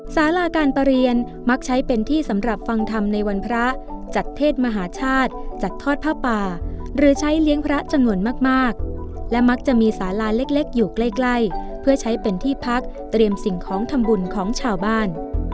สาราการประเรียนมักใช้เป็นที่สำหรับฟังธรรมในวันพระจัดเทศมหาชาติจัดทอดผ้าป่าหรือใช้เลี้ยงพระจำนวนมากและมักจะมีสาลาเล็กอยู่ใกล้เพื่อใช้เป็นที่พักเตรียมสิ่งของทำบุญของชาวบ้าน